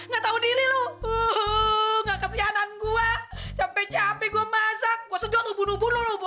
gua sejot lu bunuh bunuh lu